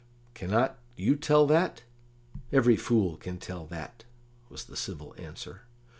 "Cannot you tell that? Every fool can tell that," was the civil answer.